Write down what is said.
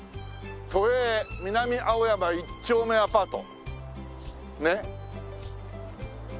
「都営南青山一丁目アパート」ねえ。